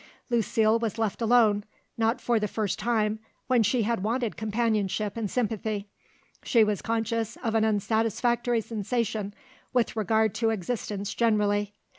Lucile was left alone, not for the first time when she had wanted companionship and sympathy. She was conscious of an unsatisfactory sensation with regard to existence generally.